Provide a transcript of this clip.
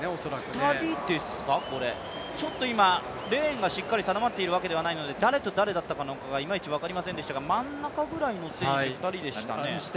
２人ですか、これ、今、レーンがしっかり定まっているわけではないので誰と誰だったのかがいまいち分かりませんでしたが真ん中ぐらいの選手２人でしたね。